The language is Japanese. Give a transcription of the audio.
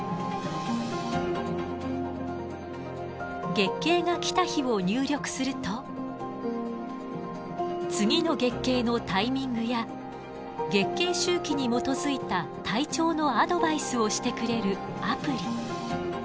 月経が来た日を入力すると次の月経のタイミングや月経周期に基づいた体調のアドバイスをしてくれるアプリ。